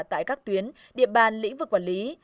tại các tuyến địa bàn lĩnh vực quản lý